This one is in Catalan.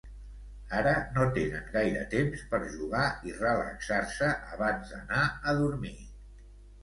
Ara no tenen gaire temps per jugar i relaxar-se abans d'anar a dormir.